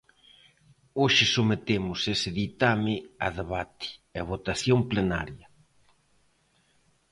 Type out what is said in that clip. Hoxe sometemos ese ditame a debate e votación plenaria.